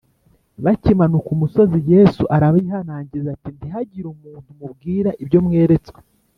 Bakimanuka umusozi Yesu arabihanangiriza ati “Ntihagire umuntu mubwira ibyo mweretswe